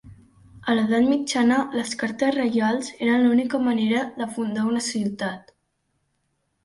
A l'edat mitjana les cartes reials eren l'única manera de fundar una ciutat.